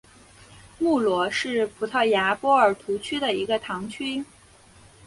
穆罗是葡萄牙波尔图区的一个堂区。